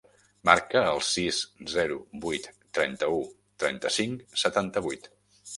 Marca el sis, zero, vuit, trenta-u, trenta-cinc, setanta-vuit.